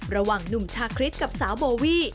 ระหว่างหนุ่มชาคริสกับสาวโบวี่